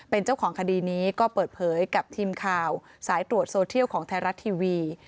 เป็นเจ้าของคดีนี้ก็เปิดเผยกับทีมข่าวสายตรวจโซเทียลของไทยรัฐทีวี